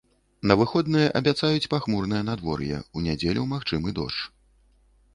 На выходныя абяцаюць пахмурнае надвор'е, у нядзелю магчымы дождж.